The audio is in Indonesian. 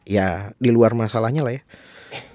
ya di luar masalahnya lah ya